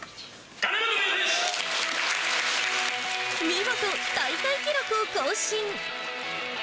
見事、大会記録を更新。